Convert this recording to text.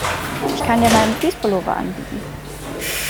Ich kann dir meinen Fleece-Pullover anbieten.